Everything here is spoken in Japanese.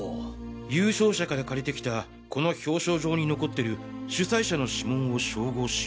優勝者から借りてきたこの表彰状に残ってる主催者の指紋を照合し。